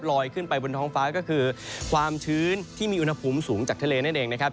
ขึ้นไปบนท้องฟ้าก็คือความชื้นที่มีอุณหภูมิสูงจากทะเลนั่นเองนะครับ